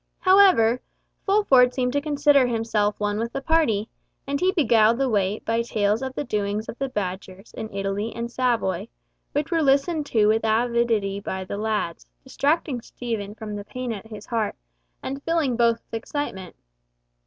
However, Fulford seemed to consider himself one with the party; and he beguiled the way by tales of the doings of the Badgers in Italy and Savoy, which were listened to with avidity by the lads, distracting Stephen from the pain at his heart, and filling both with excitement.